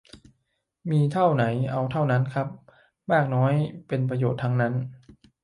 มีเท่าไหนเอาเท่านั้นครับ มากน้อยเป็นประโยชน์ทั้งนั้น